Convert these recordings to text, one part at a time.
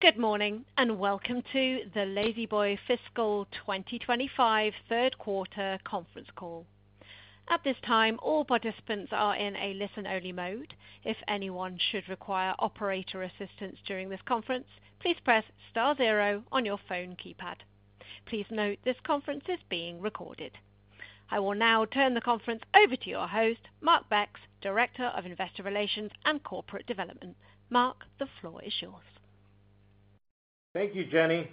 Good morning and welcome to the La-Z-Boy Fiscal 2025 Third Quarter Conference Call. At this time, all participants are in a listen-only mode. If anyone should require operator assistance during this conference, please press star zero on your phone keypad. Please note this conference is being recorded. I will now turn the conference over to your host, Mark Becks, Director of Investor Relations and Corporate Development. Mark, the floor is yours. Thank you, Jenny.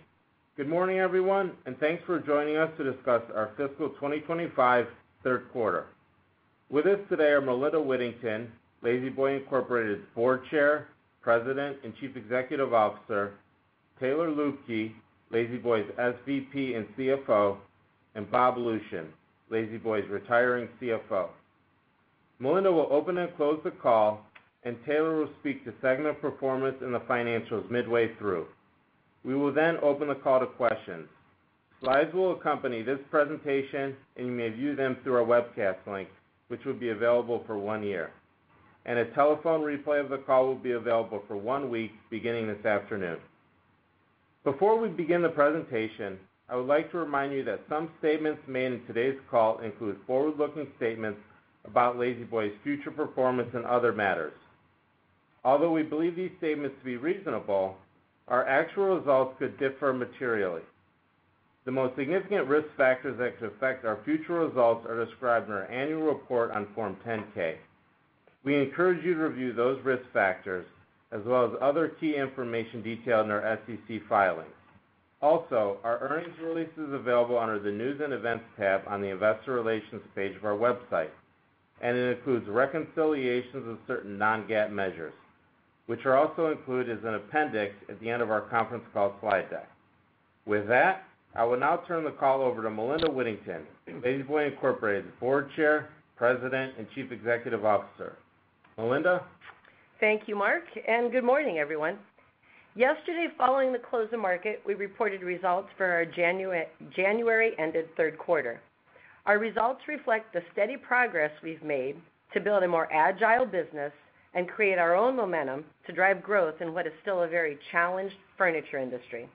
Good morning, everyone, and thanks for joining us to discuss our Fiscal 2025 third quarter. With us today are Melinda Whittington, La-Z-Boy Incorporated's Board Chair, President, and Chief Executive Officer, Taylor Luebke, La-Z-Boy's SVP and CFO, and Bob Lucian, La-Z-Boy's retiring CFO. Melinda will open and close the call, and Taylor will speak to segment performance and the financials midway through. We will then open the call to questions. Slides will accompany this presentation, and you may view them through our webcast link, which will be available for one year, and a telephone replay of the call will be available for one week beginning this afternoon. Before we begin the presentation, I would like to remind you that some statements made in today's call include forward-looking statements about La-Z-Boy's future performance and other matters. Although we believe these statements to be reasonable, our actual results could differ materially. The most significant risk factors that could affect our future results are described in our annual report on Form 10-K. We encourage you to review those risk factors, as well as other key information detailed in our SEC filing. Also, our earnings release is available under the News and Events tab on the Investor Relations page of our website, and it includes reconciliations of certain non-GAAP measures, which are also included as an appendix at the end of our conference call slide deck. With that, I will now turn the call over to Melinda Whittington, La-Z-Boy Incorporated's Board Chair, President, and Chief Executive Officer. Melinda? Thank you, Mark, and good morning, everyone. Yesterday, following the close of market, we reported results for our January-ended third quarter. Our results reflect the steady progress we've made to build a more agile business and create our own momentum to drive growth in what is still a very challenged furniture industry.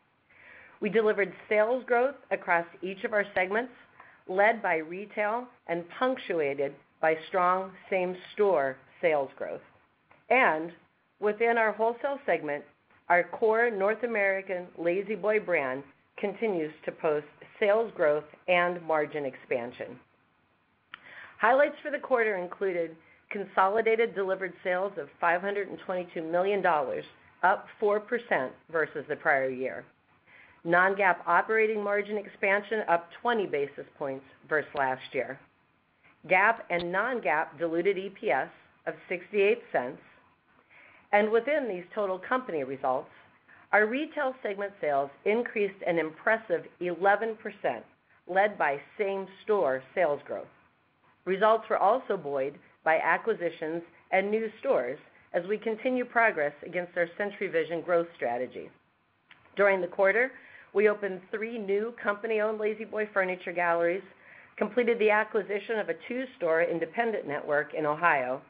We delivered sales growth across each of our segments, led by retail and punctuated by strong same-store sales growth, and within our wholesale segment, our core North American La-Z-Boy brand continues to post sales growth and margin expansion. Highlights for the quarter included consolidated delivered sales of $522 million, up 4% versus the prior year, non-GAAP operating margin expansion, up 20 basis points versus last year, and GAAP and non-GAAP diluted EPS of $0.68. And within these total company results, our retail segment sales increased an impressive 11%, led by same-store sales growth. Results were also buoyed by acquisitions and new stores as we continue progress against our Century Vision growth strategy. During the quarter, we opened three new company-owned La-Z-Boy Furniture Galleries, completed the acquisition of a two-store independent network in Ohio,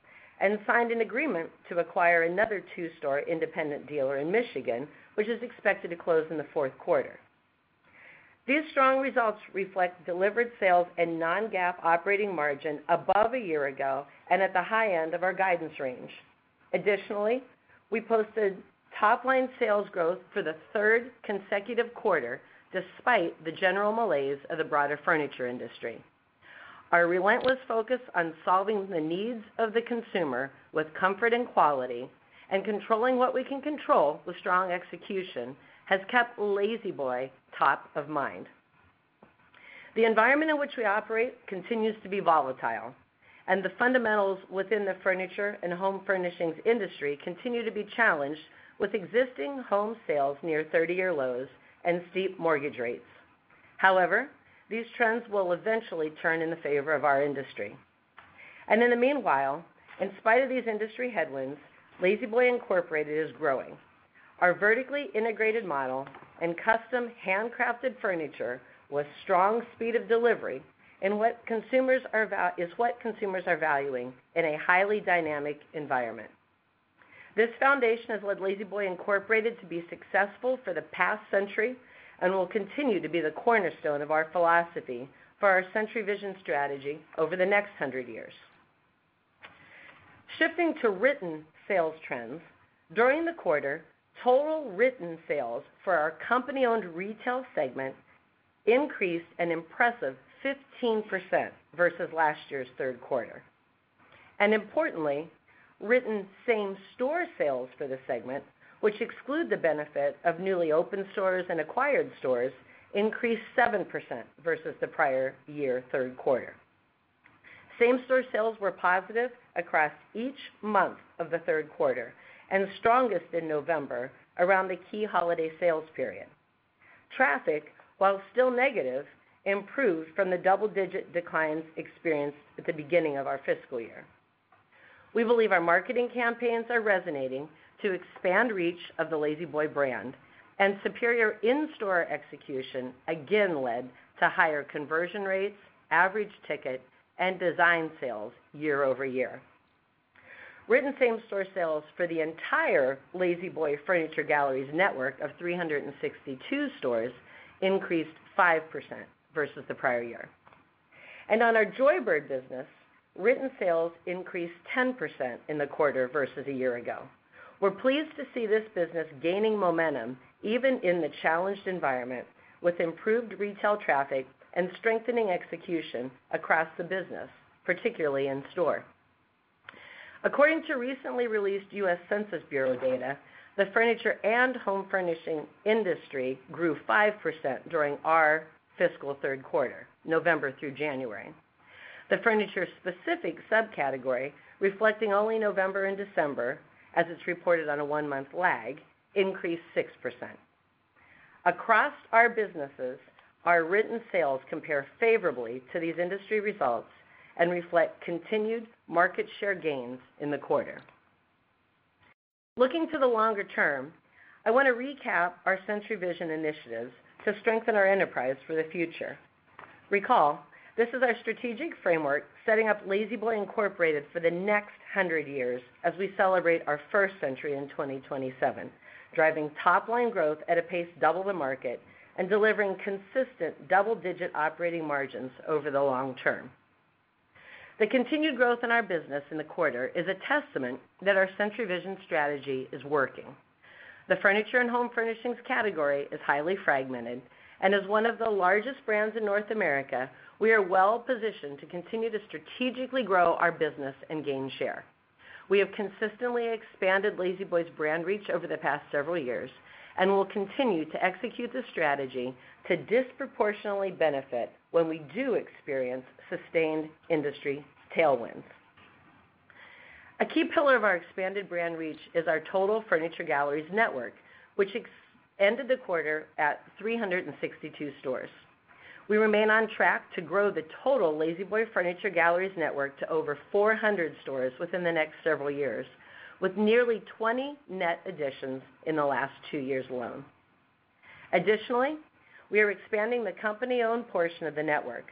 and signed an agreement to acquire another two-store independent dealer in Michigan, which is expected to close in the fourth quarter. These strong results reflect delivered sales and non-GAAP operating margin above a year ago and at the high end of our guidance range. Additionally, we posted top-line sales growth for the third consecutive quarter, despite the general malaise of the broader furniture industry. Our relentless focus on solving the needs of the consumer with comfort and quality, and controlling what we can control with strong execution, has kept La-Z-Boy top of mind. The environment in which we operate continues to be volatile, and the fundamentals within the furniture and home furnishings industry continue to be challenged with existing home sales near 30-year lows and steep mortgage rates. However, these trends will eventually turn in the favor of our industry, and in the meanwhile, in spite of these industry headwinds, La-Z-Boy Incorporated is growing. Our vertically integrated model and custom handcrafted furniture with strong speed of delivery is what consumers are valuing in a highly dynamic environment. This foundation has led La-Z-Boy Incorporated to be successful for the past century and will continue to be the cornerstone of our philosophy for our Century Vision strategy over the next 100 years. Shifting to written sales trends, during the quarter, total written sales for our company-owned retail segment increased an impressive 15% versus last year's third quarter. Importantly, written same-store sales for the segment, which exclude the benefit of newly opened stores and acquired stores, increased 7% versus the prior year third quarter. Same-store sales were positive across each month of the third quarter and strongest in November around the key holiday sales period. Traffic, while still negative, improved from the double-digit declines experienced at the beginning of our fiscal year. We believe our marketing campaigns are resonating to expand reach of the La-Z-Boy brand, and superior in-store execution again led to higher conversion rates, average ticket, and design sales year-over-year. Written same-store sales for the entire La-Z-Boy Furniture Galleries network of 362 stores increased 5% versus the prior year. On our Joybird business, written sales increased 10% in the quarter versus a year ago. We're pleased to see this business gaining momentum even in the challenged environment with improved retail traffic and strengthening execution across the business, particularly in store. According to recently released U.S. Census Bureau Data, the Furniture and Home Furnishings Industry grew 5% during our fiscal third quarter, November through January. The furniture-specific subcategory, reflecting only November and December as it's reported on a one-month lag, increased 6%. Across our businesses, our written sales compare favorably to these industry results and reflect continued market share gains in the quarter. Looking to the longer term, I want to recap our Century Vision initiatives to strengthen our enterprise for the future. Recall, this is our strategic framework setting up La-Z-Boy Incorporated for the next 100 years as we celebrate our first century in 2027, driving top-line growth at a pace double the market and delivering consistent double-digit operating margins over the long term. The continued growth in our business in the quarter is a testament that our Century Vision strategy is working. The Furniture and Home Furnishings category is highly fragmented, and as one of the largest brands in North America, we are well-positioned to continue to strategically grow our business and gain share. We have consistently expanded La-Z-Boy's brand reach over the past several years and will continue to execute the strategy to disproportionately benefit when we do experience sustained industry tailwinds. A key pillar of our expanded brand reach is our total La-Z-Boy Furniture Galleries network, which ended the quarter at 362 stores. We remain on track to grow the total La-Z-Boy Furniture Galleries network to over 400 stores within the next several years, with nearly 20 net additions in the last two years alone. Additionally, we are expanding the company-owned portion of the network.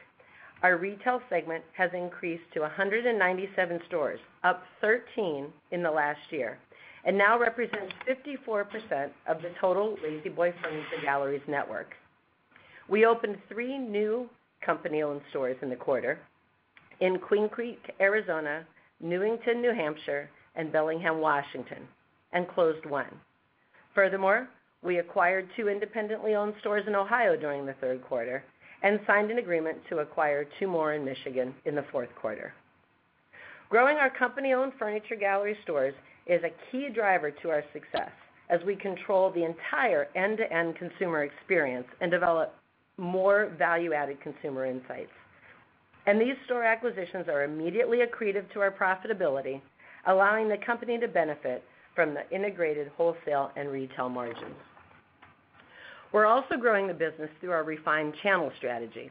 Our retail segment has increased to 197 stores, up 13 in the last year, and now represents 54% of the total La-Z-Boy Furniture Galleries network. We opened three new company-owned stores in the quarter in Queen Creek, Arizona, Newington, New Hampshire, and Bellingham, Washington, and closed one. Furthermore, we acquired two independently owned stores in Ohio during the third quarter and signed an agreement to acquire two more in Michigan in the fourth quarter. Growing our company-owned furniture gallery stores is a key driver to our success as we control the entire end-to-end consumer experience and develop more value-added consumer insights, and these store acquisitions are immediately accretive to our profitability, allowing the company to benefit from the integrated wholesale and retail margins. We're also growing the business through our refined channel strategy.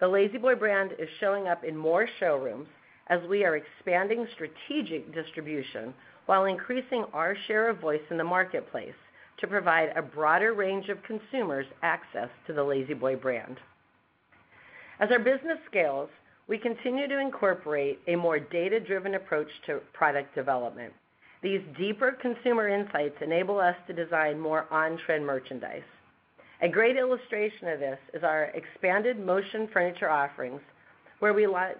The La-Z-Boy brand is showing up in more showrooms as we are expanding strategic distribution while increasing our share of voice in the marketplace to provide a broader range of consumers access to the La-Z-Boy brand. As our business scales, we continue to incorporate a more data-driven approach to product development. These deeper consumer insights enable us to design more on-trend merchandise. A great illustration of this is our expanded motion furniture offerings, where we launched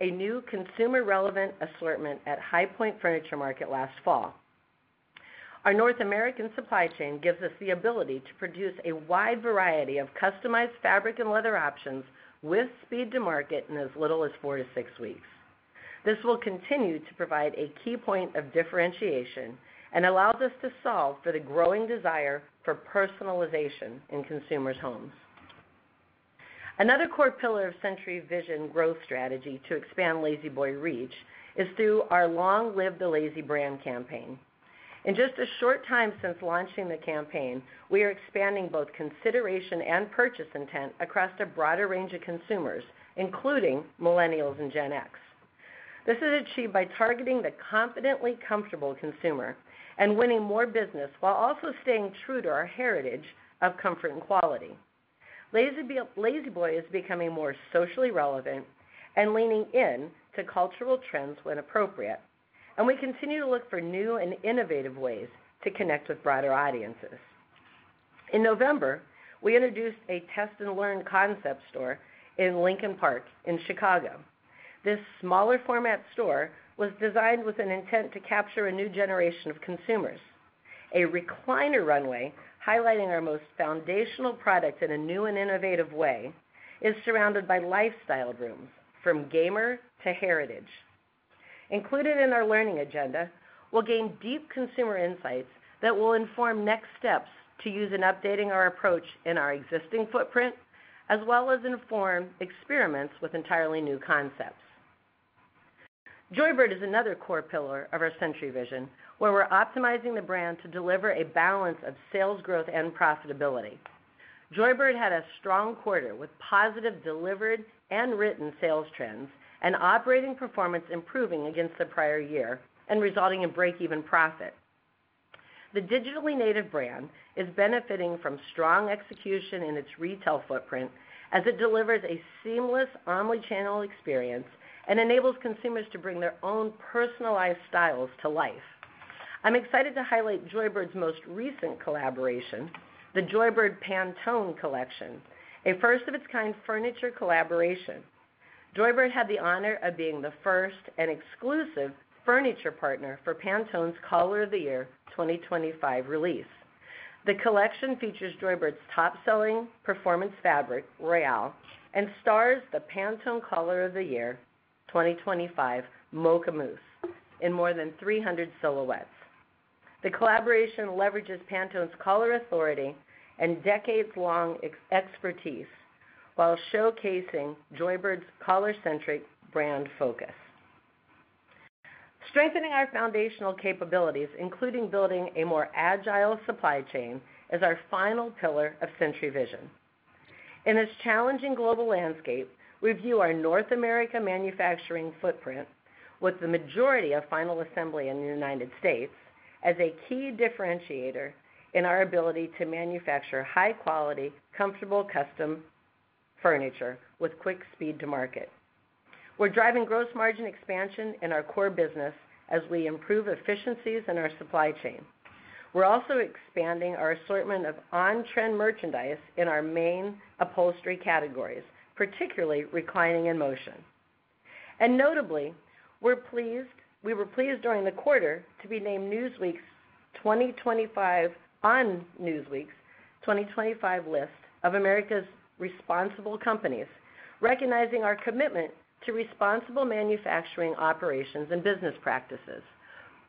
a new consumer-relevant assortment at High Point Furniture Market last fall. Our North American supply chain gives us the ability to produce a wide variety of customized fabric and leather options with speed to market in as little as four to six weeks. This will continue to provide a key point of differentiation and allows us to solve for the growing desire for personalization in consumers' homes. Another core pillar of Century Vision growth strategy to expand La-Z-Boy reach is through our Long Live the La-Z-Brand campaign. In just a short time since launching the campaign, we are expanding both consideration and purchase intent across a broader range of consumers, including millennials and Gen X. This is achieved by targeting the confidently comfortable consumer and winning more business while also staying true to our heritage of comfort and quality. La-Z-Boy is becoming more socially relevant and leaning into cultural trends when appropriate, and we continue to look for new and innovative ways to connect with broader audiences. In November, we introduced a test-and-learn concept store in Lincoln Park in Chicago. This smaller-format store was designed with an intent to capture a new generation of consumers. A recliner runway highlighting our most foundational product in a new and innovative way is surrounded by lifestyle rooms from gamer to heritage. Included in our learning agenda, we'll gain deep consumer insights that will inform next steps to use in updating our approach in our existing footprint, as well as inform experiments with entirely new concepts. Joybird is another core pillar of our Century Vision, where we're optimizing the brand to deliver a balance of sales growth and profitability. Joybird had a strong quarter with positive delivered and written sales trends and operating performance improving against the prior year and resulting in break-even profit. The digitally native brand is benefiting from strong execution in its retail footprint as it delivers a seamless, omnichannel experience and enables consumers to bring their own personalized styles to life. I'm excited to highlight Joybird's most recent collaboration, the Joybird Pantone Collection, a first-of-its-kind furniture collaboration. Joybird had the honor of being the first and exclusive furniture partner for Pantone's Color of the Year 2025 release. The collection features Joybird's top-selling performance fabric, Royal, and stars the Pantone Color of the Year 2025 Mocha Mousse in more than 300 silhouettes. The collaboration leverages Pantone's color authority and decades-long expertise while showcasing Joybird's color-centric brand focus. Strengthening our foundational capabilities, including building a more agile supply chain, is our final pillar of Century Vision. In this challenging global landscape, we view our North America manufacturing footprint, with the majority of final assembly in the United States, as a key differentiator in our ability to manufacture high-quality, comfortable custom furniture with quick speed to market. We're driving gross margin expansion in our core business as we improve efficiencies in our supply chain. We're also expanding our assortment of on-trend merchandise in our main upholstery categories, particularly reclining and motion. Notably, we were pleased during the quarter to be named Newsweek's 2025 list of America's Responsible Companies, recognizing our commitment to responsible manufacturing operations and business practices.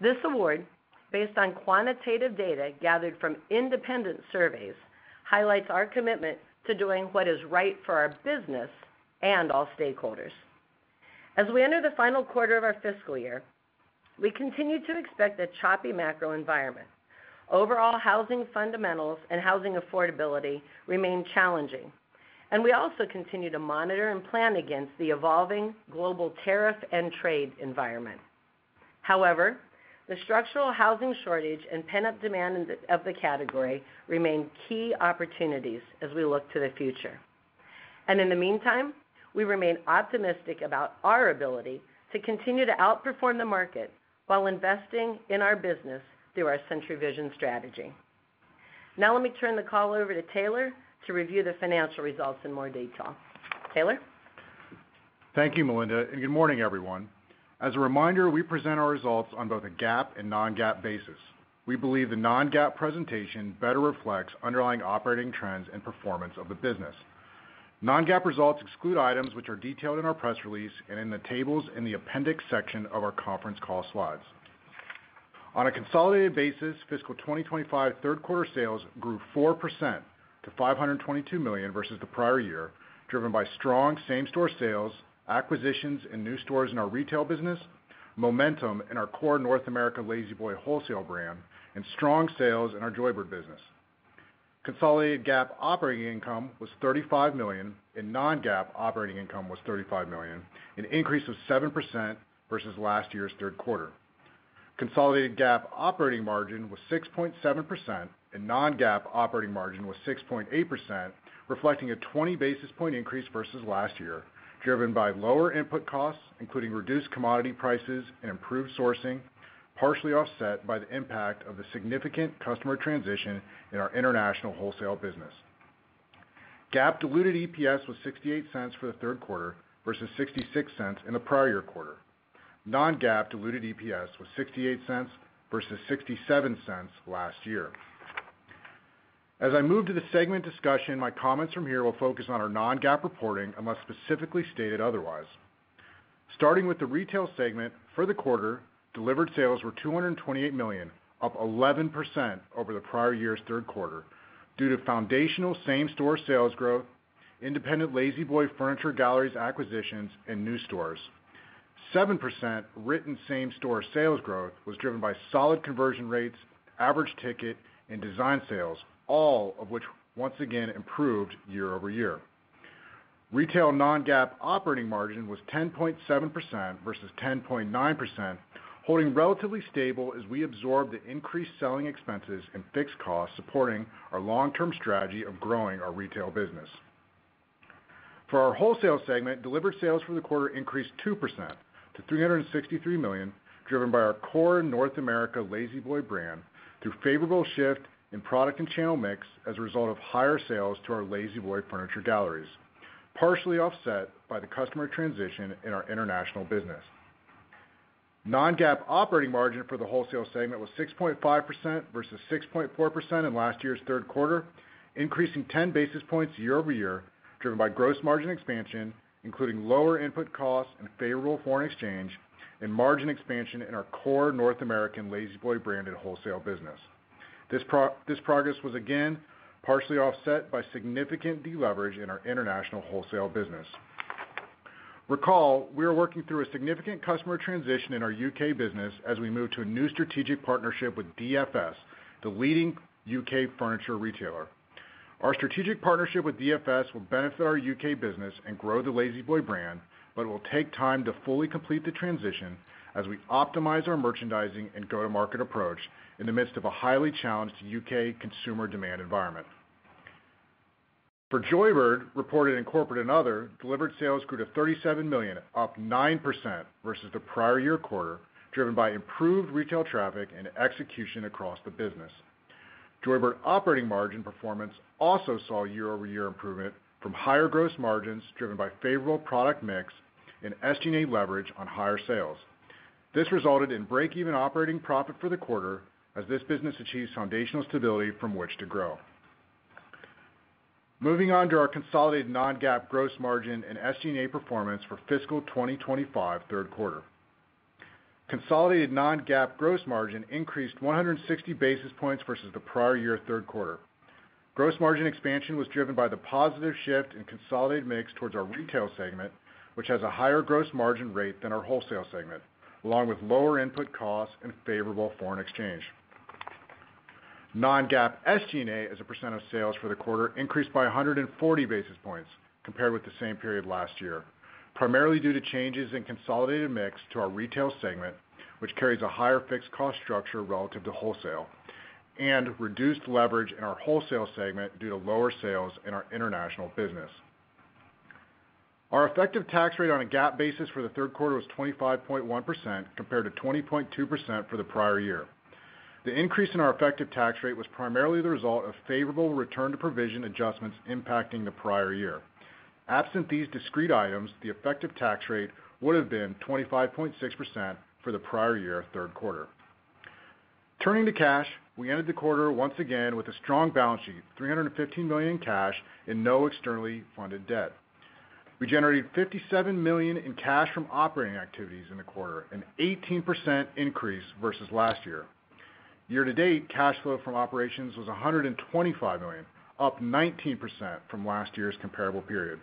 This award, based on quantitative data gathered from independent surveys, highlights our commitment to doing what is right for our business and all stakeholders. As we enter the final quarter of our fiscal year, we continue to expect a choppy macro environment. Overall housing fundamentals and housing affordability remain challenging, and we also continue to monitor and plan against the evolving global tariff and trade environment. However, the structural housing shortage and pent-up demand of the category remain key opportunities as we look to the future. And in the meantime, we remain optimistic about our ability to continue to outperform the market while investing in our business through our Century Vision strategy. Now, let me turn the call over to Taylor to review the financial results in more detail. Taylor? Thank you, Melinda, and good morning, everyone. As a reminder, we present our results on both a GAAP and non-GAAP basis. We believe the non-GAAP presentation better reflects underlying operating trends and performance of the business. Non-GAAP results exclude items which are detailed in our press release and in the tables in the appendix section of our conference call slides. On a consolidated basis, fiscal 2025 third quarter sales grew 4% to $522 million versus the prior year, driven by strong same-store sales, acquisitions in new stores in our retail business, momentum in our core North America La-Z-Boy wholesale brand, and strong sales in our Joybird business. Consolidated GAAP operating income was $35 million, and non-GAAP operating income was $35 million, an increase of 7% versus last year's third quarter. Consolidated GAAP operating margin was 6.7%, and non-GAAP operating margin was 6.8%, reflecting a 20 basis points increase versus last year, driven by lower input costs, including reduced commodity prices and improved sourcing, partially offset by the impact of the significant customer transition in our international wholesale business. GAAP-diluted EPS was $0.68 for the third quarter versus $0.66 in the prior year quarter. Non-GAAP-diluted EPS was $0.68 versus $0.67 last year. As I move to the segment discussion, my comments from here will focus on our Non-GAAP reporting unless specifically stated otherwise. Starting with the retail segment, for the quarter, delivered sales were $228 million, up 11% over the prior year's third quarter, due to foundational same-store sales growth, independent La-Z-Boy Furniture Galleries acquisitions, and new stores. 7% written same-store sales growth was driven by solid conversion rates, average ticket, and design sales, all of which once again improved year-over-year. Retail Non-GAAP operating margin was 10.7% versus 10.9%, holding relatively stable as we absorbed the increased selling expenses and fixed costs supporting our long-term strategy of growing our retail business. For our wholesale segment, delivered sales for the quarter increased 2% to $363 million, driven by our core North America La-Z-Boy brand through favorable shift in product and channel mix as a result of higher sales to our La-Z-Boy Furniture Galleries, partially offset by the customer transition in our international business. Non-GAAP operating margin for the wholesale segment was 6.5% versus 6.4% in last year's third quarter, increasing 10 basis points year-over-year, driven by gross margin expansion, including lower input costs and favorable foreign exchange, and margin expansion in our core North American La-Z-Boy branded wholesale business. This progress was again partially offset by significant deleverage in our international wholesale business. Recall, we are working through a significant customer transition in our U.K. business as we move to a new strategic partnership with DFS, the leading U.K. furniture retailer. Our strategic partnership with DFS will benefit our U.K. business and grow the La-Z-Boy brand, but it will take time to fully complete the transition as we optimize our merchandising and go-to-market approach in the midst of a highly challenged U.K. consumer demand environment. For Joybird, reported in corporate and other, delivered sales grew to $37 million, up 9% versus the prior year quarter, driven by improved retail traffic and execution across the business. Joybird operating margin performance also saw year-over-year improvement from higher gross margins driven by favorable product mix and SG&A leverage on higher sales. This resulted in break-even operating profit for the quarter as this business achieves foundational stability from which to grow. Moving on to our consolidated non-GAAP gross margin and SG&A performance for fiscal 2025 third quarter. Consolidated non-GAAP gross margin increased 160 basis points versus the prior year third quarter. Gross margin expansion was driven by the positive shift in consolidated mix towards our retail segment, which has a higher gross margin rate than our wholesale segment, along with lower input costs and favorable foreign exchange. Non-GAAP SG&A as a % of sales for the quarter increased by 140 basis points compared with the same period last year, primarily due to changes in consolidated mix to our retail segment, which carries a higher fixed cost structure relative to wholesale, and reduced leverage in our wholesale segment due to lower sales in our international business. Our effective tax rate on a GAAP basis for the third quarter was 25.1% compared to 20.2% for the prior year. The increase in our effective tax rate was primarily the result of favorable Return-to-Provision adjustments impacting the prior year. Absent these discrete items, the effective tax rate would have been 25.6% for the prior year third quarter. Turning to cash, we ended the quarter once again with a strong balance sheet, $315 million in cash and no externally funded debt. We generated $57 million in cash from operating activities in the quarter, an 18% increase versus last year. Year-to-date, cash flow from operations was $125 million, up 19% from last year's comparable period.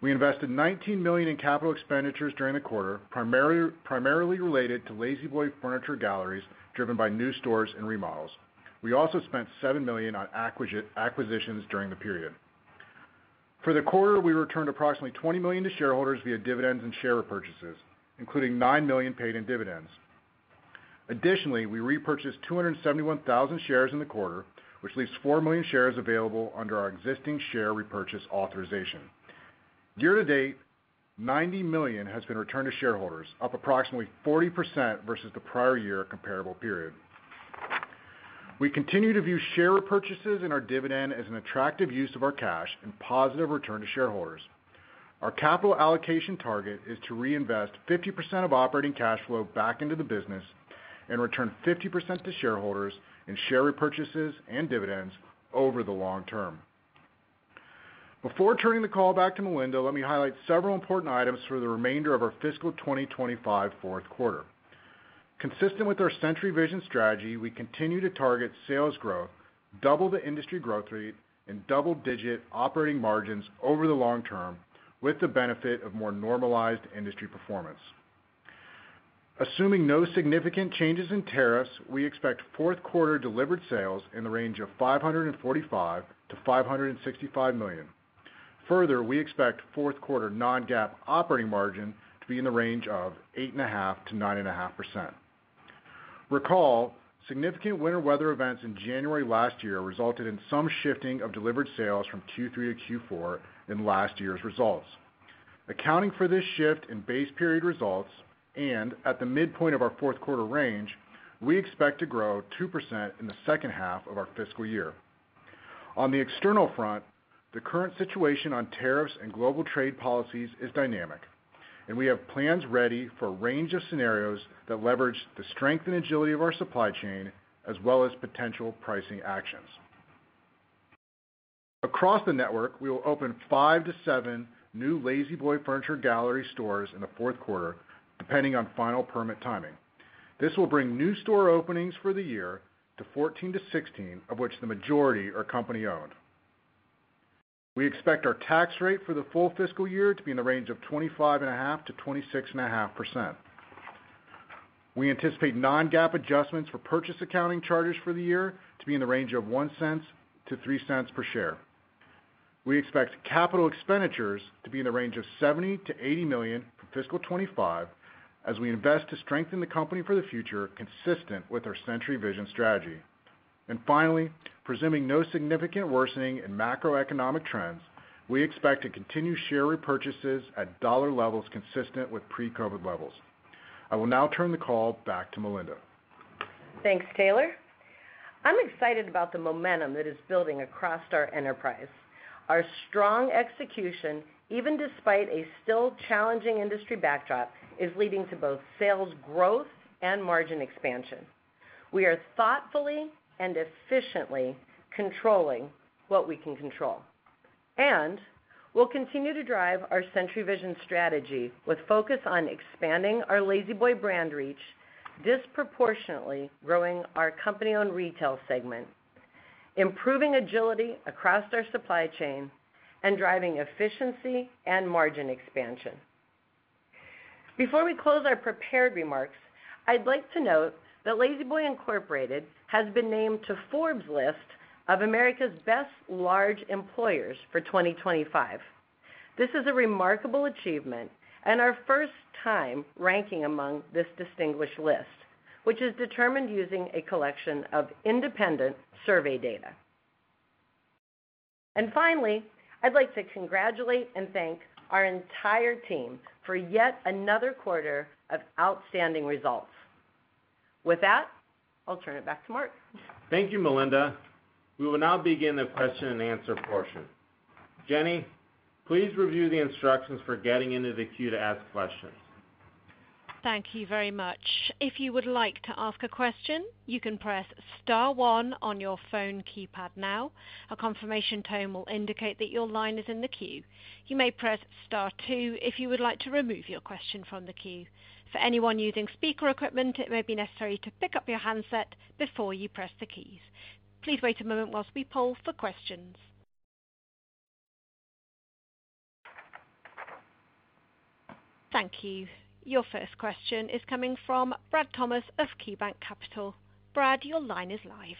We invested $19 million in capital expenditures during the quarter, primarily related to La-Z-Boy Furniture Galleries driven by new stores and remodels. We also spent $7 million on acquisitions during the period. For the quarter, we returned approximately $20 million to shareholders via dividends and share repurchases, including $9 million paid in dividends. Additionally, we repurchased 271,000 shares in the quarter, which leaves 4 million shares available under our existing share repurchase authorization. Year-to-date, $90 million has been returned to shareholders, up approximately 40% versus the prior year comparable period. We continue to view share repurchases and our dividend as an attractive use of our cash and positive return to shareholders. Our capital allocation target is to reinvest 50% of operating cash flow back into the business and return 50% to shareholders in share repurchases and dividends over the long term. Before turning the call back to Melinda, let me highlight several important items for the remainder of our fiscal 2025 fourth quarter. Consistent with our Century Vision strategy, we continue to target sales growth, double the industry growth rate, and double-digit operating margins over the long term with the benefit of more normalized industry performance. Assuming no significant changes in tariffs, we expect fourth quarter delivered sales in the range of $545 million-$565 million. Further, we expect fourth quarter non-GAAP operating margin to be in the range of 8.5%-9.5%. Recall, significant winter weather events in January last year resulted in some shifting of delivered sales from Q3 to Q4 in last year's results. Accounting for this shift in base period results and at the midpoint of our fourth quarter range, we expect to grow 2% in the second half of our fiscal year. On the external front, the current situation on tariffs and global trade policies is dynamic, and we have plans ready for a range of scenarios that leverage the strength and agility of our supply chain as well as potential pricing actions. Across the network, we will open five to seven new La-Z-Boy Furniture Gallery stores in the fourth quarter, depending on final permit timing. This will bring new store openings for the year to 14 to 16, of which the majority are company-owned. We expect our tax rate for the full fiscal year to be in the range of 25.5%-26.5%. We anticipate non-GAAP adjustments for purchase accounting charges for the year to be in the range of $0.01-$0.03 per share. We expect capital expenditures to be in the range of $70 million-$80 million for fiscal 25 as we invest to strengthen the company for the future, consistent with our Century Vision strategy. And finally, presuming no significant worsening in macroeconomic trends, we expect to continue share repurchases at dollar levels consistent with pre-COVID levels. I will now turn the call back to Melinda. Thanks, Taylor. I'm excited about the momentum that is building across our enterprise. Our strong execution, even despite a still challenging industry backdrop, is leading to both sales growth and margin expansion. We are thoughtfully and efficiently controlling what we can control. And we'll continue to drive our Century Vision strategy with focus on expanding our La-Z-Boy brand reach, disproportionately growing our company-owned retail segment, improving agility across our supply chain, and driving efficiency and margin expansion. Before we close our prepared remarks, I'd like to note that La-Z-Boy Incorporated has been named to Forbes' list of America's Best Large Employers for 2025. This is a remarkable achievement and our first time ranking among this distinguished list, which is determined using a collection of independent survey data. And finally, I'd like to congratulate and thank our entire team for yet another quarter of outstanding results. With that, I'll turn it back to Mark. Thank you, Melinda. We will now begin the question and answer portion. Jenny, please review the instructions for getting into the queue to ask questions. Thank you very much. If you would like to ask a question, you can press star one on your phone keypad now. A confirmation tone will indicate that your line is in the queue. You may press star two if you would like to remove your question from the queue. For anyone using speaker equipment, it may be necessary to pick up your handset before you press the keys. Please wait a moment while we poll for questions. Thank you. Your first question is coming from Brad Thomas of KeyBanc Capital Markets. Brad, your line is live.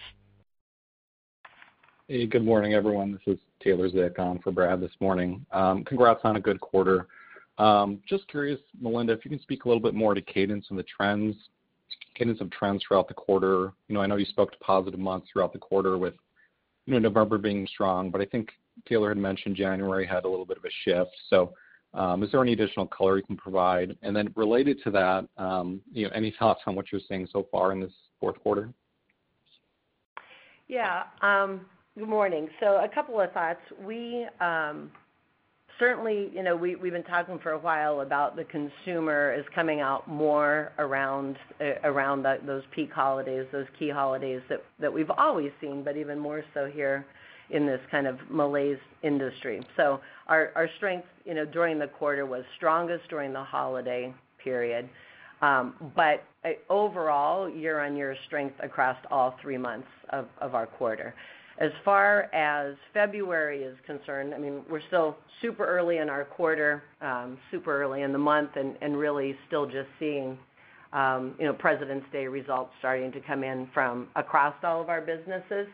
Hey, good morning, everyone. This is Taylor Zeckan on for Brad this morning. Congrats on a good quarter. Just curious, Melinda, if you can speak a little bit more to cadence and the trends, cadence of trends throughout the quarter. I know you spoke to positive months throughout the quarter with November being strong, but I think Taylor had mentioned January had a little bit of a shift. So is there any additional color you can provide? And then related to that, any thoughts on what you're seeing so far in this fourth quarter? Yeah. Good morning. So a couple of thoughts. Certainly, we've been talking for a while about the consumer is coming out more around those peak holidays, those key holidays that we've always seen, but even more so here in this kind of malaise industry. So our strength during the quarter was strongest during the holiday period. But overall, year-on-year strength across all three months of our quarter. As far as February is concerned, I mean, we're still super early in our quarter, super early in the month, and really still just seeing President's Day results starting to come in from across all of our businesses.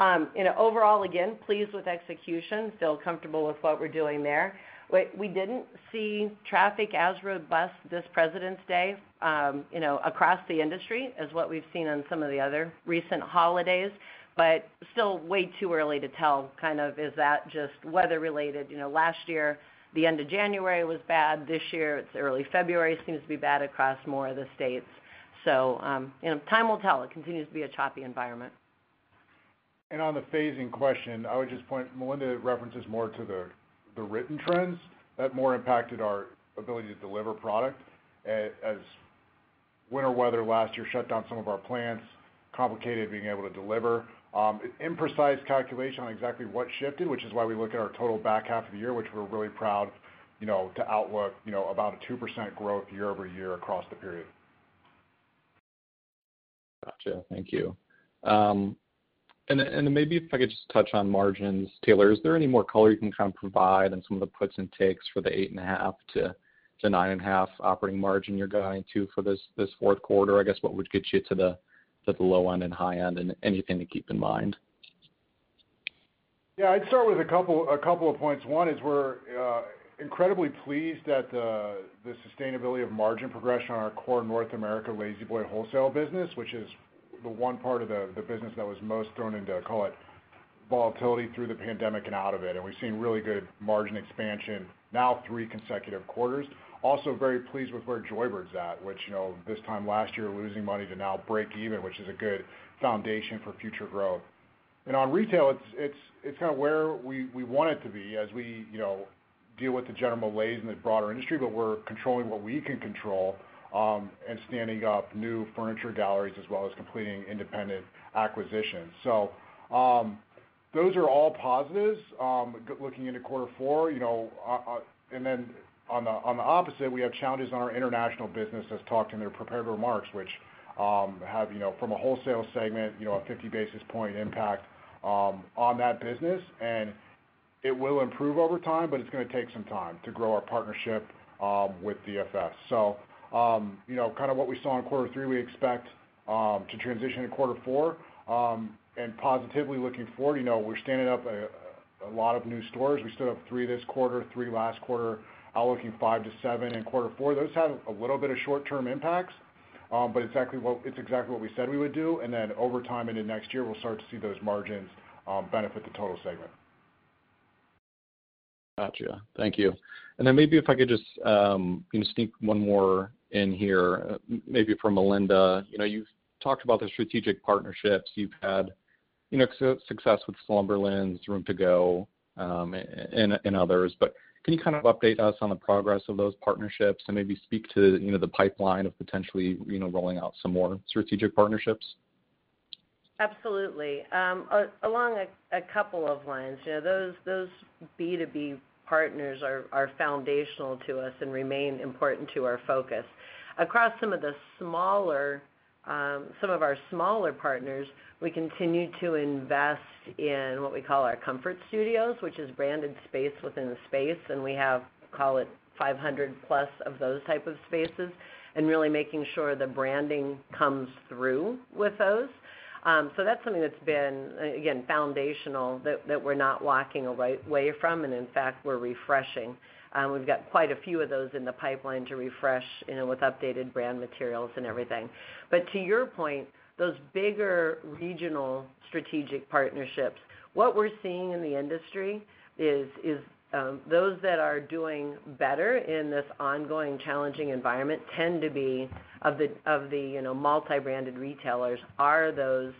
Overall, again, pleased with execution, feel comfortable with what we're doing there. We didn't see traffic as robust this President's Day across the industry as what we've seen on some of the other recent holidays, but still way too early to tell kind of is that just weather-related. Last year, the end of January was bad. This year, it's early February seems to be bad across more of the states. So time will tell. It continues to be a choppy environment. And on the phasing question, I would just point Melinda references more to the written trends that more impacted our ability to deliver product as winter weather last year shut down some of our plants, complicated being able to deliver. Imprecise calculation on exactly what shifted, which is why we look at our total back half of the year, which we're really proud to outlook about a 2% growth year-over-year across the period. Gotcha. Thank you. And maybe if I could just touch on margins. Taylor, is there any more color you can kind of provide on some of the puts and takes for the 8.5%-9.5% operating margin you're going to for this fourth quarter? I guess what would get you to the low end and high end and anything to keep in mind? Yeah. I'd start with a couple of points. One is, we're incredibly pleased at the sustainability of margin progression on our core North America La-Z-Boy wholesale business, which is the one part of the business that was most thrown into, call it, volatility through the pandemic and out of it. And we've seen really good margin expansion now three consecutive quarters. Also very pleased with where Joybird's at, which this time last year losing money to now break even, which is a good foundation for future growth. And on retail, it's kind of where we want it to be as we deal with the general malaise in the broader industry, but we're controlling what we can control and standing up new furniture galleries as well as completing independent acquisitions. So those are all positives looking into quarter four. And then on the opposite, we have challenges on our international business as talked in their prepared remarks, which have from a wholesale segment a 50 basis points impact on that business. And it will improve over time, but it's going to take some time to grow our partnership with DFS. So kind of what we saw in quarter three, we expect to transition to quarter four. And positively looking forward, we're standing up a lot of new stores. We still have three this quarter, three last quarter, outlook in five to seven in quarter four. Those have a little bit of short-term impacts, but it's exactly what we said we would do. And then over time into next year, we'll start to see those margins benefit the total segment. Gotcha. Thank you. And then maybe if I could just sneak one more in here, maybe for Melinda. You've talked about the strategic partnerships. You've had success with Slumberland, Rooms To Go, and others. But can you kind of update us on the progress of those partnerships and maybe speak to the pipeline of potentially rolling out some more strategic partnerships? Absolutely. Along a couple of lines, those B2B partners are foundational to us and remain important to our focus. Across some of the smaller, some of our smaller partners, we continue to invest in what we call our Comfort Studios, which is branded space within the space. And we have, call it, 500 plus of those type of spaces and really making sure the branding comes through with those. So that's something that's been, again, foundational that we're not walking away from. And in fact, we're refreshing. We've got quite a few of those in the pipeline to refresh with updated brand materials and everything. But to your point, those bigger regional strategic partnerships, what we're seeing in the industry is those that are doing better in this ongoing challenging environment tend to be of the multi-branded retailers are those,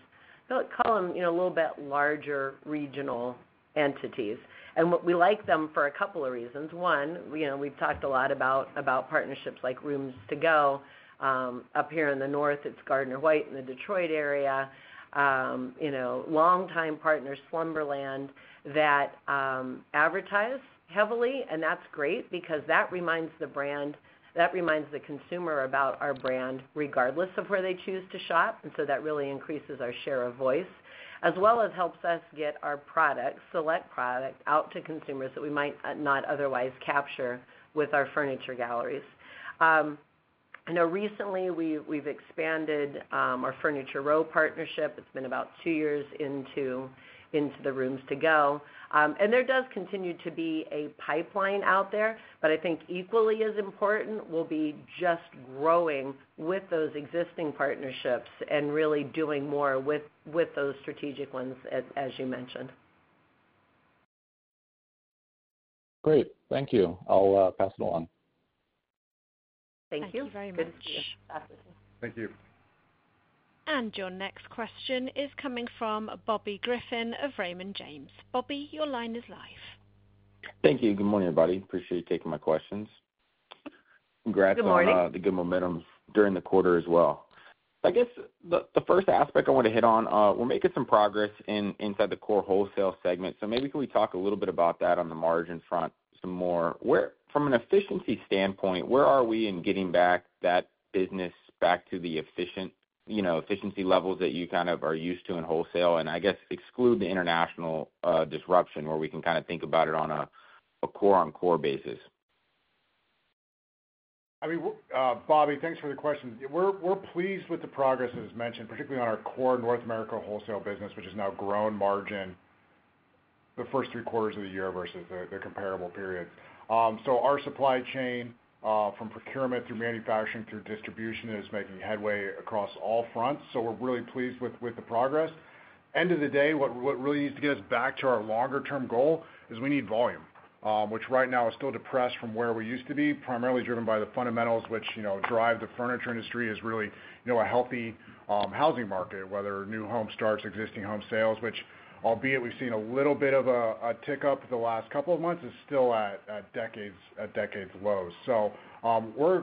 call them a little bit larger regional entities. And we like them for a couple of reasons. One, we've talked a lot about partnerships like Rooms To Go up here in the North. It's Gardner-White in the Detroit area. Longtime partner, Slumberland, that advertise heavily. And that's great because that reminds the brand, that reminds the consumer about our brand regardless of where they choose to shop. And so that really increases our share of voice as well as helps us get our product, select product out to consumers that we might not otherwise capture with our furniture galleries. I know recently we've expanded our Furniture Row partnership. It's been about two years into the Rooms To Go. And there does continue to be a pipeline out there, but I think equally as important will be just growing with those existing partnerships and really doing more with those strategic ones, as you mentioned. Great. Thank you. I'll pass it along. Thank you. Thank you very much. Thank you. And your next question is coming from Bobby Griffin of Raymond James. Bobby, your line is live. Thank you. Good morning, everybody. Appreciate you taking my questions. Congrats on the good momentum during the quarter as well. I guess the first aspect I want to hit on, we're making some progress inside the core wholesale segment. So maybe can we talk a little bit about that on the margin front some more? From an efficiency standpoint, where are we in getting back that business to the efficient levels that you kind of are used to in wholesale? I guess exclude the international disruption where we can kind of think about it on a core-on-core basis. I mean, Bobby, thanks for the question. We're pleased with the progress as mentioned, particularly on our core North America wholesale business, which has now grown margins in the first three quarters of the year versus the comparable periods, so our supply chain from procurement through manufacturing through distribution is making headway across all fronts, so we're really pleased with the progress. End of the day, what really needs to get us back to our longer-term goal is we need volume, which right now is still depressed from where we used to be, primarily driven by the fundamentals, which drive the furniture industry as really a healthy housing market, whether new home starts, existing home sales, which albeit we've seen a little bit of a tick up the last couple of months, it's still at decades low. So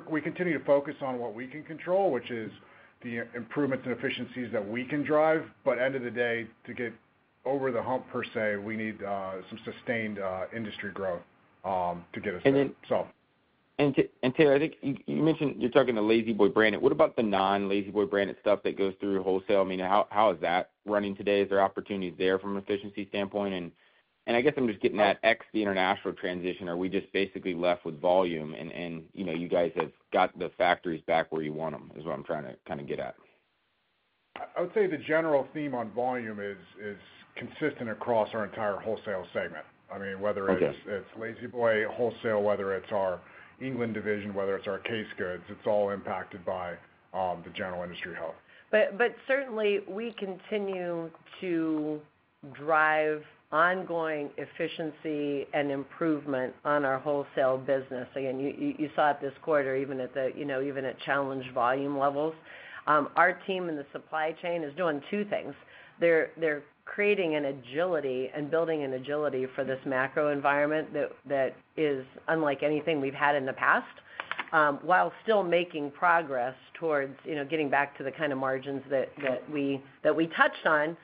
we continue to focus on what we can control, which is the improvements and efficiencies that we can drive. But end of the day, to get over the hump per se, we need some sustained industry growth to get us there. And Taylor, I think you mentioned you're talking to La-Z-Boy brand. What about the non-La-Z-Boy brand stuff that goes through wholesale? I mean, how is that running today? Is there opportunities there from an efficiency standpoint? And I guess I'm just getting that exit the international transition. Are we just basically left with volume and you guys have got the factories back where you want them is what I'm trying to kind of get at. I would say the general theme on volume is consistent across our entire wholesale segment. I mean, whether it's La-Z-Boy wholesale, whether it's our England division, whether it's our Case goods, it's all impacted by the general industry health. But certainly, we continue to drive ongoing efficiency and improvement on our wholesale business. Again, you saw it this quarter, even at challenging volume levels. Our team in the supply chain is doing two things. They're creating an agility and building an agility for this macro environment that is unlike anything we've had in the past while still making progress towards getting back to the kind of margins that we touched on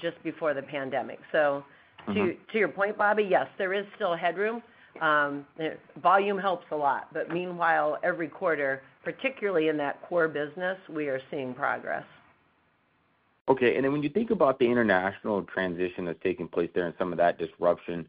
just before the pandemic. So to your point, Bobby, yes, there is still headroom. Volume helps a lot. But meanwhile, every quarter, particularly in that core business, we are seeing progress. Okay. And then when you think about the international transition that's taking place there and some of that disruption,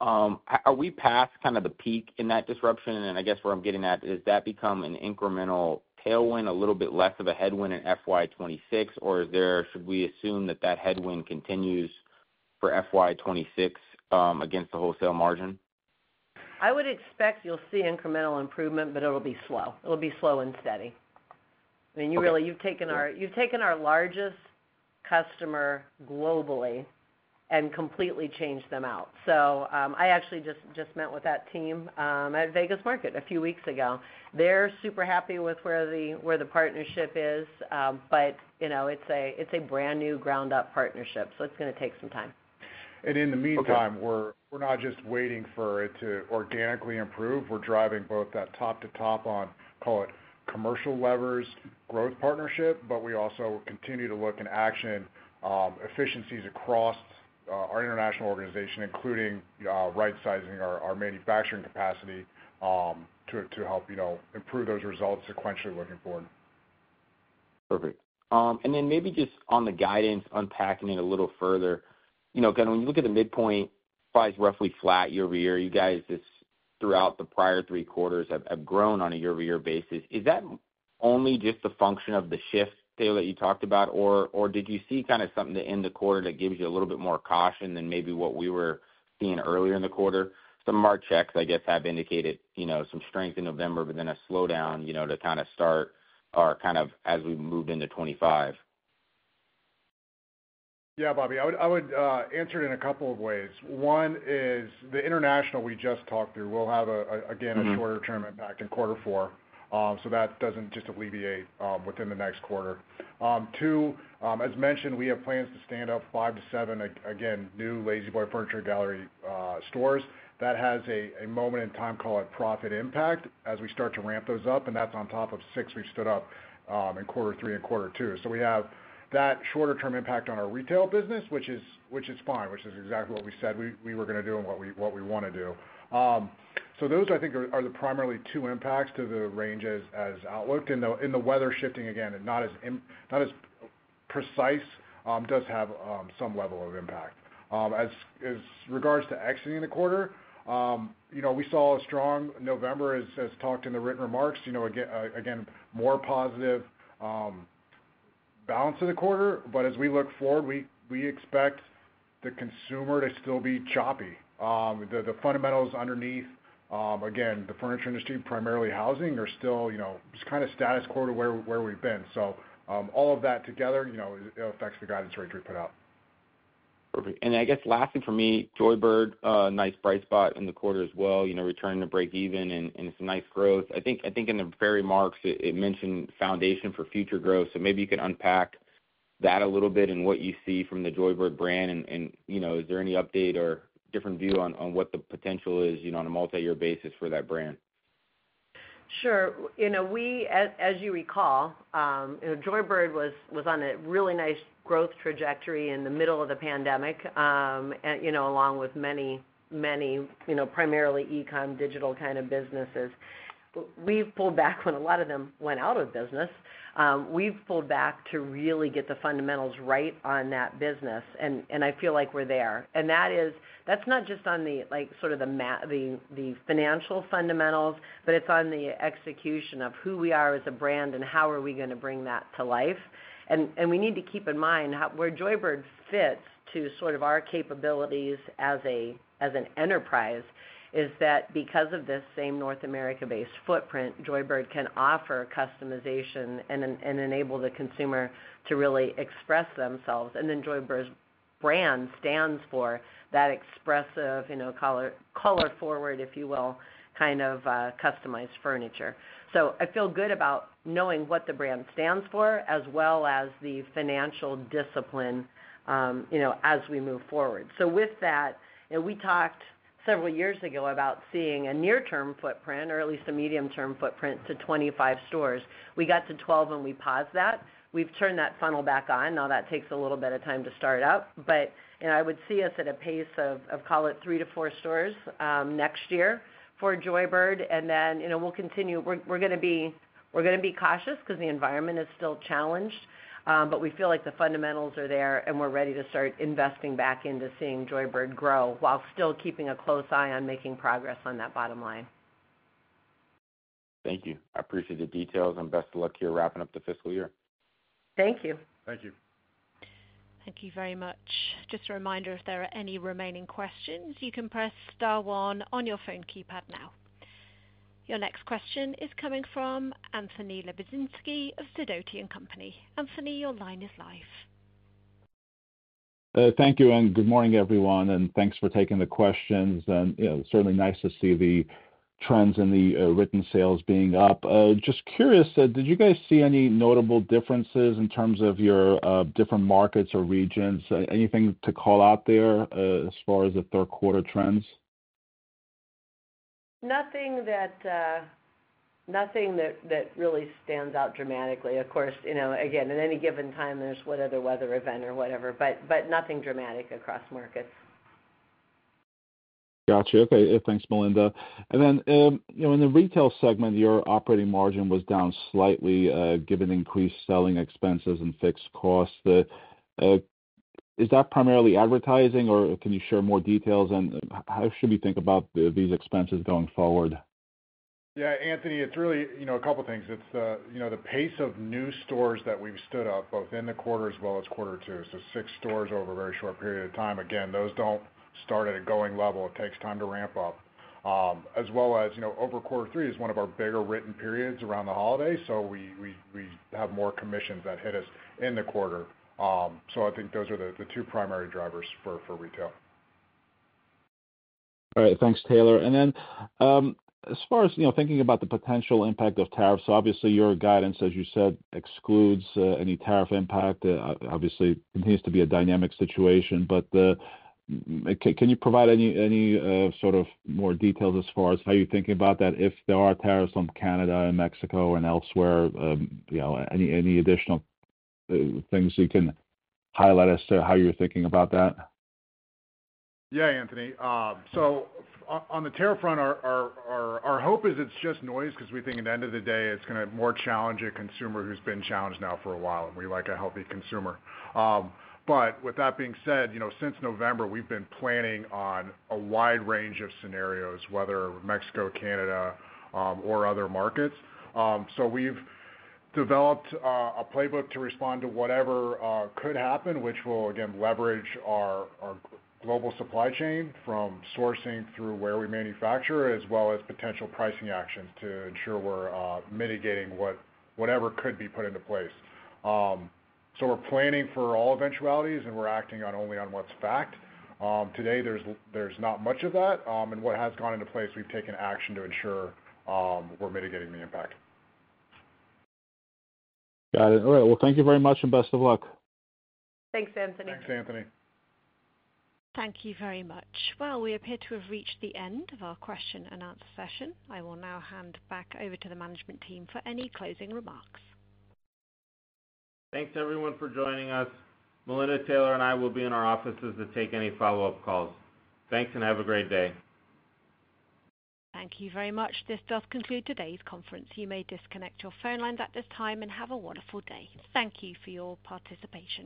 are we past kind of the peak in that disruption? And I guess where I'm getting at, has that become an incremental tailwind, a little bit less of a headwind in FY26, or should we assume that that headwind continues for FY26 against the wholesale margin? I would expect you'll see incremental improvement, but it'll be slow. It'll be slow and steady. I mean, you've taken our largest customer globally and completely changed them out. So I actually just met with that team at Vegas Market a few weeks ago. They're super happy with where the partnership is, but it's a brand new ground-up partnership. So it's going to take some time. And in the meantime, we're not just waiting for it to organically improve. We're driving both that top-to-top on, call it, commercial levers growth partnership, but we also continue to look into efficiencies across our international organization, including right-sizing our manufacturing capacity to help improve those results sequentially looking forward. Perfect. And then maybe just on the guidance, unpacking it a little further. Again, when you look at the midpoint, price roughly flat year-over-year, you guys throughout the prior three quarters have grown on a year-over-year basis. Is that only just a function of the shift, Taylor, that you talked about, or did you see kind of something to end the quarter that gives you a little bit more caution than maybe what we were seeing earlier in the quarter? Some of our checks, I guess, have indicated some strength in November, but then a slowdown to kind of start our kind of as we move into 2025. Yeah, Bobby. I would answer it in a couple of ways. One is the international we just talked through will have, again, a shorter-term impact in quarter four. So that doesn't just alleviate within the next quarter. Two, as mentioned, we have plans to stand up five to seven, again, new La-Z-Boy Furniture Gallery stores that has a moment in time, call it, profit impact as we start to ramp those up. And that's on top of six we've stood up in quarter three and quarter two. So we have that shorter-term impact on our retail business, which is fine, which is exactly what we said we were going to do and what we want to do. So those, I think, are the primarily two impacts to the range as outlooked. And the weather shifting, again, not as precise, does have some level of impact. As regards to exiting the quarter, we saw a strong November, as talked in the written remarks. Again, more positive balance of the quarter. But as we look forward, we expect the consumer to still be choppy. The fundamentals underneath, again, the furniture industry, primarily housing, are still just kind of status quo to where we've been. So all of that together, it affects the guidance rate we put out. Perfect. I guess lastly for me, Joybird, nice bright spot in the quarter as well, returning to break even, and it's a nice growth. I think in the prepared remarks, it mentioned foundation for future growth. So maybe you could unpack that a little bit and what you see from the Joybird brand. And is there any update or different view on what the potential is on a multi-year basis for that brand? Sure. As you recall, Joybird was on a really nice growth trajectory in the middle of the pandemic along with many, many primarily e-com digital kind of businesses. We've pulled back when a lot of them went out of business. We've pulled back to really get the fundamentals right on that business. And I feel like we're there. And that's not just on the sort of the financial fundamentals, but it's on the execution of who we are as a brand and how are we going to bring that to life. And we need to keep in mind where Joybird fits to sort of our capabilities as an enterprise is that because of this same North America-based footprint, Joybird can offer customization and enable the consumer to really express themselves. And then Joybird's brand stands for that expressive, color-forward, if you will, kind of customized furniture. So I feel good about knowing what the brand stands for as well as the financial discipline as we move forward. So with that, we talked several years ago about seeing a near-term footprint or at least a medium-term footprint to 25 stores. We got to 12 when we paused that. We've turned that funnel back on. Now that takes a little bit of time to start up. But I would see us at a pace of, call it, three-to-four stores next year for Joybird. And then we'll continue. We're going to be cautious because the environment is still challenged, but we feel like the fundamentals are there and we're ready to start investing back into seeing Joybird grow while still keeping a close eye on making progress on that bottom line. Thank you. I appreciate the details and best of luck here wrapping up the fiscal year. Thank you. Thank you. Thank you very much. Just a reminder, if there are any remaining questions, you can press star one on your phone keypad now. Your next question is coming from Anthony Lebiedzinski of Sidoti & Company. Anthony, your line is live. Thank you. And good morning, everyone. And thanks for taking the questions. And certainly nice to see the trends in the written sales being up. Just curious, did you guys see any notable differences in terms of your different markets or regions? Anything to call out there as far as the third quarter trends? Nothing that really stands out dramatically. Of course, again, at any given time, there's whatever weather event or whatever, but nothing dramatic across markets. Gotcha. Okay. Thanks, Melinda. And then in the retail segment, your operating margin was down slightly given increased selling expenses and fixed costs. Is that primarily advertising, or can you share more details? And how should we think about these expenses going forward? Yeah, Anthony, it's really a couple of things. It's the pace of new stores that we've stood up both in the quarter as well as quarter two. So six stores over a very short period of time. Again, those don't start at a going level. It takes time to ramp up. As well as over quarter three is one of our bigger written periods around the holidays. So we have more commissions that hit us in the quarter. So I think those are the two primary drivers for retail. All right. Thanks, Taylor. And then as far as thinking about the potential impact of tariffs, obviously, your guidance, as you said, excludes any tariff impact. Obviously, it continues to be a dynamic situation. But can you provide any sort of more details as far as how you're thinking about that if there are tariffs on Canada and Mexico and elsewhere? Any additional things you can highlight as to how you're thinking about that? Yeah, Anthony. So on the tariff front, our hope is it's just noise because we think at the end of the day, it's going to more challenge a consumer who's been challenged now for a while, and we like a healthy consumer. But with that being said, since November, we've been planning on a wide range of scenarios, whether Mexico, Canada, or other markets. So we've developed a playbook to respond to whatever could happen, which will, again, leverage our global supply chain from sourcing through where we manufacture, as well as potential pricing actions to ensure we're mitigating whatever could be put into place. So we're planning for all eventualities, and we're acting only on what's fact. Today, there's not much of that. And what has gone into place, we've taken action to ensure we're mitigating the impact. Got it. All right. Well, thank you very much and best of luck. Thanks, Anthony. Thanks, Anthony. Thank you very much. Well, we appear to have reached the end of our question and answer session. I will now hand back over to the management team for any closing remarks. Thanks, everyone, for joining us. Melinda, Taylor, and I will be in our offices to take any follow-up calls. Thanks and have a great day. Thank you very much. This does conclude today's conference. You may disconnect your phone lines at this time and have a wonderful day. Thank you for your participation.